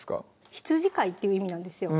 羊飼いっていう意味なんですよ